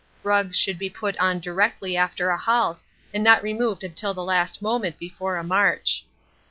Rugs should be put on directly after a halt and not removed till the last moment before a march.